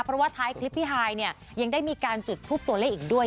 เพราะว่าท้ายคลิปพี่ฮายเนี่ยยังได้มีการจุดทูปตัวเลขอีกด้วย